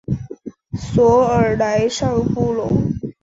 索尔莱尚普隆。